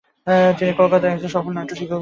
তিনি কলকাতার একজন সফল নাট্য শিক্ষকও ছিলেন।